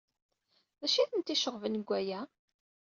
D acu ay ten-iceɣben deg waya?